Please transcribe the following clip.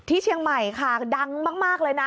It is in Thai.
เชียงใหม่ค่ะดังมากเลยนะ